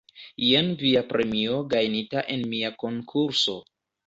Jen via premio gajnita en mia konkurso